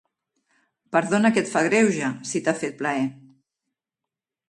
Perdona a qui et fa greuge si t'ha fet plaer.